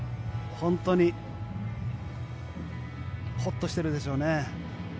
本当にホッとしているでしょうね。